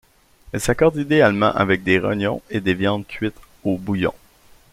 Elle s'accorde idéalement avec des rognons et des viandes cuites au bouillon.